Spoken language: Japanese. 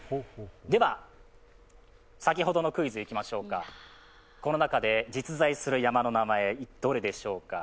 では先ほどのクイズいきましょうかこの中で実在する山の名前どれでしょうか